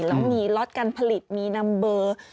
แล้วมีฮอร์ดการผลิตมีนัมเบิร์ฟ